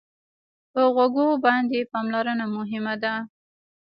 په غوږو باندې پاملرنه مهمه ده.